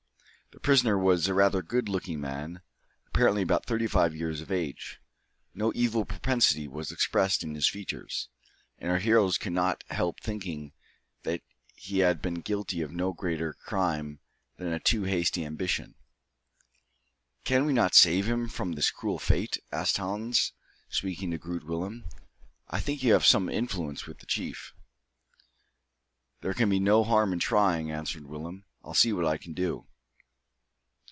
The prisoner was rather a good looking man, apparently about thirty five years of age. No evil propensity was expressed in his features; and our heroes could not help thinking that he had been guilty of no greater crime than a too hasty ambition. "Can we not save him from this cruel fate?" asked Hans, speaking to Groot Willem. "I think you have some influence with the chief." "There can be no harm in trying," answered Willem. "I'll see what I can do."